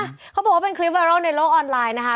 เขาบอกว่าเป็นคลิปไวรัลในโลกออนไลน์นะคะ